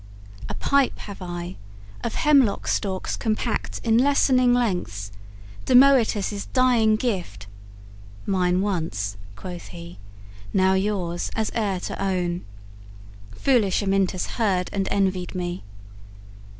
A pipe have I, of hemlock stalks compact In lessening lengths, Damoetas' dying gift: 'Mine once,' quoth he, 'now yours, as heir to own.' Foolish Amyntas heard and envied me.